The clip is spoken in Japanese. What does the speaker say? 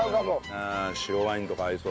白ワインとか合いそう。